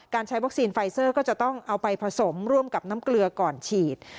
ใช้วัคซีนไฟเซอร์ก็จะต้องเอาไปผสมร่วมกับน้ำเกลือก่อนฉีด